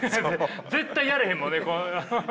絶対やれへんもんね。